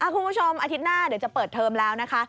คุณผู้ชมอาทิตย์หน้าเดี๋ยวจะเปิดเทอมแล้วนะคะ